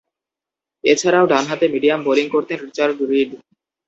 এছাড়াও, ডানহাতে medium bowling করতেন রিচার্ড রিড।